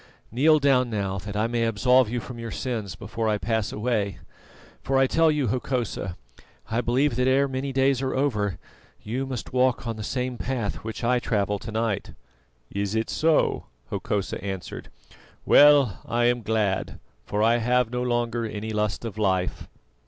Kneel down now, that I may absolve you from your sins before I pass away; for I tell you, Hokosa, I believe that ere many days are over you must walk on the same path which I travel to night." "Is it so?" Hokosa answered. "Well, I am glad, for I have no longer any lust of life."